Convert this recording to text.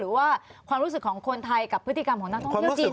ว่าความรู้สึกของคนไทยกับพฤติกรรมของนักท่องเที่ยวจีน